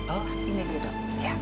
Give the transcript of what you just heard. oh ini dia dok